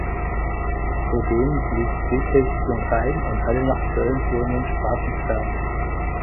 Zudem ließ Friedrich den Rhein und alle nach Köln führenden Straße sperren.